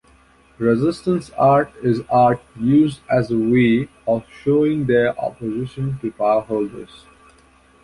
Resistance art is art used as a way of showing their opposition to powerholders.